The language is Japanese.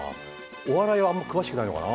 お笑いはあんまり詳しくないのかな。